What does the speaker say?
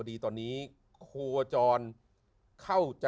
ได้ต่างคืน